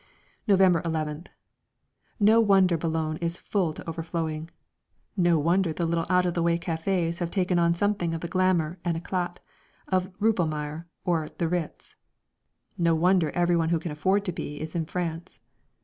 November 11th. No wonder Boulogne is full to overflowing. No wonder the little out of the way cafés have taken on something of the glamour and éclat of Rumpelmayer or the Ritz. No wonder everyone who can afford to be is in France.